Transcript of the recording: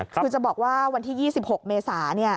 คือจะบอกว่าวันที่๒๖เมษา